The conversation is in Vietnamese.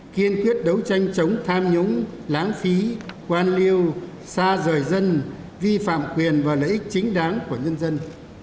kiên quyết đấu tranh chống tham nhũng lãng phí quan liêu xa rời dân vi phạm quyền và lợi ích chính đáng của nhân dân